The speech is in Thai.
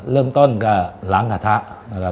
เริ่มต้นก็ล้างกระทะนะครับ